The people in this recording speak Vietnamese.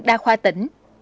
đa khoa tỉnh